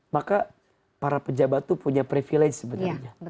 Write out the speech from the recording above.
maka para pejabat itu punya privilege sebenarnya